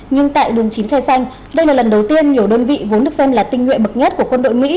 nhưng tại đường chín khe xanh đây là lần đầu tiên nhiều đơn vị vốn được xem là tinh nguyện bậc nhất của quân đội mỹ